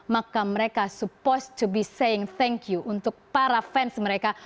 maka mereka sepatutnya berterima kasih untuk para fans mereka